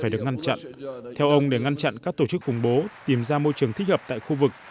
phải được ngăn chặn theo ông để ngăn chặn các tổ chức khủng bố tìm ra môi trường thích hợp tại khu vực